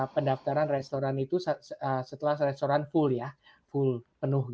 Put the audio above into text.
pendaftaran restoran itu setelah restoran penuh